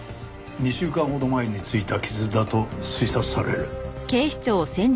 ２週間ほど前についた傷だと推察される。